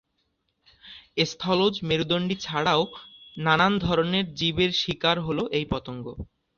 স্থলজ মেরুদণ্ডী ছাড়াও, নানান ধরনের জীবের শিকার হল এই পতঙ্গ।